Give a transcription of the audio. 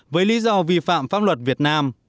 với lý do vi phạm pháp luật việt nam